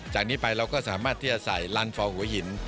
จากนี้ไปเราก็สามารถที่จะใส่ลานฟองหัวหิน